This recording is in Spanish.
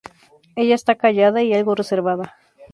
Ella está callada y algo reservada.